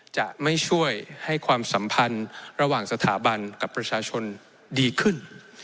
จะไม่ช่วยให้ความสัมพันธ์ระหว่างสถาบันกับประชาชนดีขึ้น